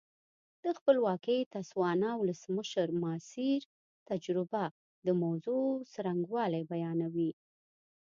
د خپلواکې تسوانا ولسمشر ماسیر تجربه د موضوع څرنګوالی بیانوي.